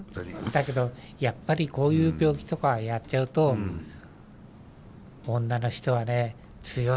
だけどやっぱりこういう病気とかやっちゃうと女の人はね強いです。